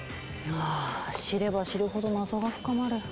あぁ知れば知るほど謎が深まる。